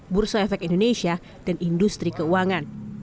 bursa efek indonesia dan industri keuangan